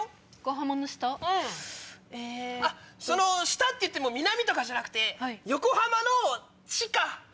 下って言っても南とかじゃなくて横浜の地下。